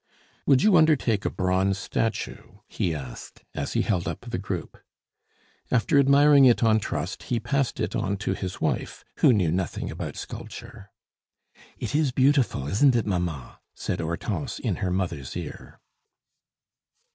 "Would you undertake a bronze statue?" he asked, as he held up the group. After admiring it on trust, he passed it on to his wife, who knew nothing about sculpture. "It is beautiful, isn't it, mamma?" said Hortense in her mother' ear.